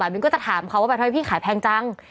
ป่าวนึงก็จะถามเขาว่าแบตไทยพี่ขายแพงจัง